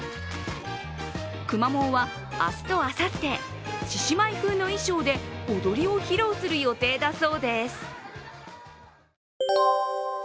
くまモンは、明日とあさって獅子舞風の衣装で踊りを披露する予定だそうです。